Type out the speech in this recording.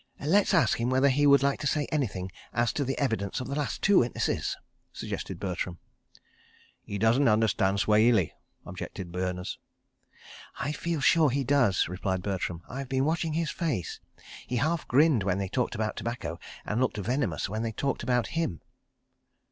"Let's ask him whether he would like to say anything as to the evidence of the last two witnesses," suggested Bertram. "He doesn't understand Swahili," objected Berners. "I feel sure he does," replied Bertram. "I have been watching his face. He half grinned when they talked about tobacco, and looked venomous when they talked about him."